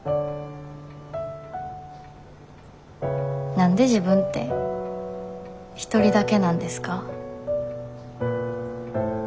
何で自分って一人だけなんですか？